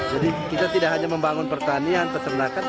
jadi kita tidak hanya membangun pertanian peternakan